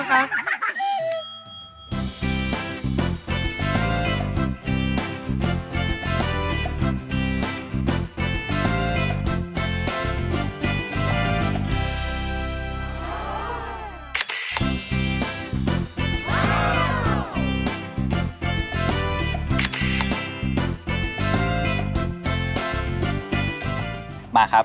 ประมาณ๑เซป